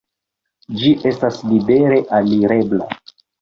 Ĝi estas libere alirebla.